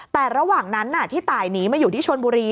แต่ระหว่างนั้นที่ตายหนีมาอยู่ที่ชนบุรี